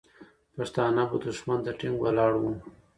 پښتانه به دښمن ته ټینګ ولاړ وو.